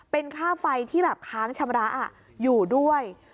เป็นค่าไฟที่แบบค้างชำระอยู่ด้วย